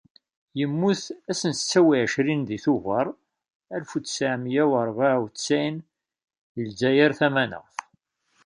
Yemmut ass n setta u εecrin deg tuber alef u tesεemya u rebεa u tesεun, deg Lezzayer Tamaneɣt.